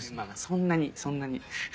そんなにそんなに。